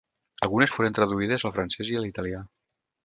Algunes foren traduïdes al francès i a l'italià.